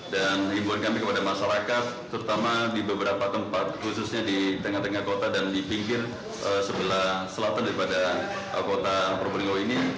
dan imbuan kami kepada masyarakat terutama di beberapa tempat khususnya di tengah tengah kota dan di pinggir sebelah selatan daripada kota prabolinggo ini